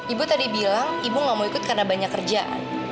ibu tadi bilang ibu nggak mau ikut karena banyak kerjaan